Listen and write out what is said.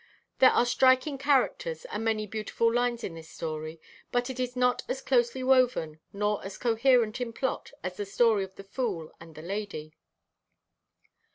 There are striking characters and many beautiful lines in this story, but it is not as closely woven nor as coherent in plot as the story of the fool and the lady.